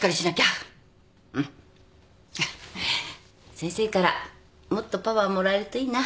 先生からもっとパワーもらえるといいな。